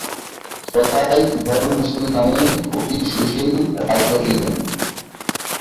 তথায় ধর্মশীল নামে অতি সুশীল রাজা ছিলেন।